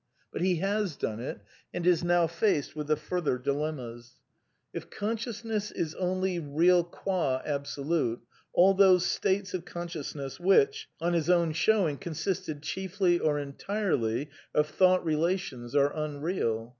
But he has done it, and is now faced with the further dilemm fl. If Consciousness is only real qua Ab A solute, all those states of consciousness which, on his own showing, consisted chiefly, or entirely, of thought relations are unreal.